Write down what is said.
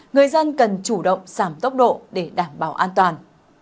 người dân cần chủ động giảm tốc độ để đảm bảo an toàn